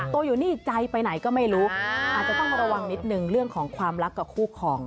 ตัวอยู่นี่ใจไปไหนก็ไม่รู้อาจจะต้องระวังนิดนึงเรื่องของความรักกับคู่ของ